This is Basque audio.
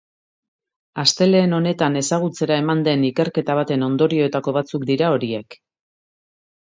Astelehen honetan ezagutzera eman den ikerketa baten ondorioetako batzuk dira horiek.